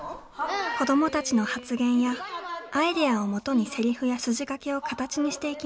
子どもたちの発言やアイデアを元にセリフや筋書きを形にしていきます。